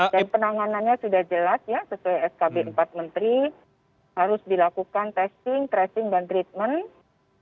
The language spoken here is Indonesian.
dan penanganannya sudah jelas ya sesuai skb empat menteri harus dilakukan tracing dan treatment